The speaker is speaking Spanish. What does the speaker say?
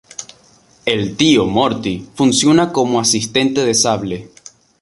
El tío Morty funciona como asistente de Sable.